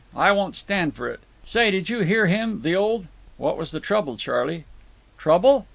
I won't stand for it. Say, did you hear him—the old—" "What was the trouble, Charley?" "Trouble?